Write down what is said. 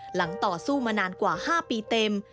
ต่อสู้มานานกว่า๕ปีเต็ม